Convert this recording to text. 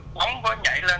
bóng có nhảy lên